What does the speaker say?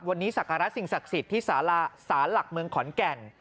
วันนี้ศักระสิ่งศักดิ์สิทธิ์ที่สารหลักเมืองขอนแก่น